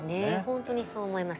ほんとにそう思います。